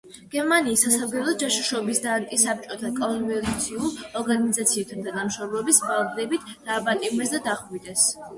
გერმანიის სასარგებლოდ ჯაშუშობის და ანტისაბჭოთა კონტრრევოლუციურ ორგანიზაციებთან თანამშრომლობის ბრალდებით დააპატიმრეს და დახვრიტეს.